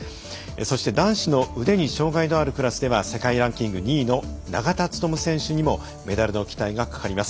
そして、男子の腕に障がいのあるクラスでは世界ランキング２位の永田務選手にもメダルの期待がかかります。